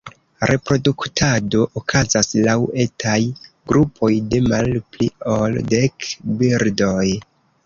Reproduktado okazas laŭ etaj grupoj de malpli ol dek birdoj.